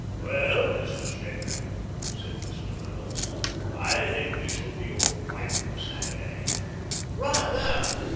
" Well, Mr. Stedman," said Mr. Mallows, " I think we shall be all right for Saturday." " Kather